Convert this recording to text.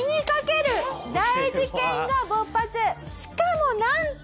しかもなんと。